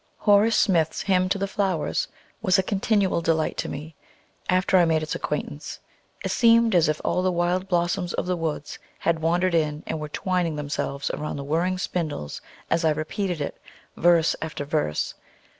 Horace Smith's "Hymn to the Flowers" was a continual delight to me, after I made its acquaintance. It seemed as if all the wild blossoms of the woods had wandered in and were twining themselves around the whirring spindles, as I repeated it, verse after verse.